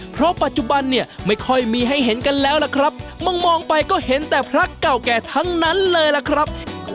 เพราะปัจจุบันเนี่ยไม่ค่อยมีให้เห็นกันแล้วล่ะครับมองมองไปก็เห็นแต่พระเก่าแก่ทั้งนั้นเลยล่ะครับ